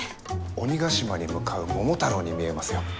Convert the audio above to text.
鬼ヶ島に向かう桃太郎に見えますよ。